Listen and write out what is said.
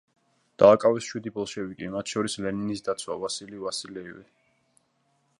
დააკავეს შვიდი ბოლშევიკი, მათ შორის ლენინის დაცვა ვასილი ვასილიევი.